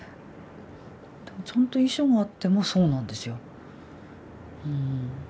ちゃんと遺書があってもそうなんですよ。